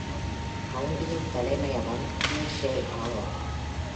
கவுண்டியின் தலைமையகம் Pearsall ஆகும்.